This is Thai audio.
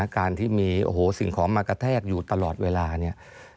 การที่มีโอ้โหสิ่งของมากระแทกอยู่ตลอดเวลาเนี่ย